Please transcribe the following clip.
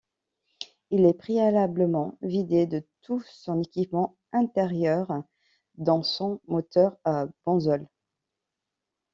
Il est préalablement vidée de tout son équipement intérieur dont son moteur à benzol.